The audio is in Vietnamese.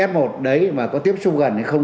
f một đấy mà có tiếp xúc gần hay không